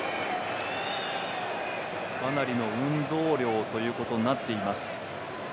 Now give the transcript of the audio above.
かなりの運動量ということになっています。